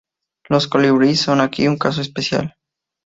Los colibríes son aquí un caso especial.